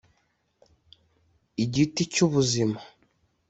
igiti cy ubuzima